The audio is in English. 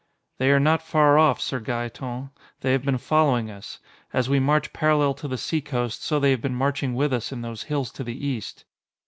"They are not far off, Sir Gaeton. They have been following us. As we march parallel to the seacoast, so they have been marching with us in those hills to the east."